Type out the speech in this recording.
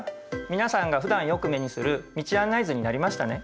皆さんがふだんよく目にする道案内図になりましたね。